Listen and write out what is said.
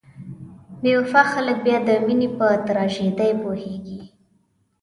بې وفا خلک بیا د مینې په تراژیدۍ پوهیږي.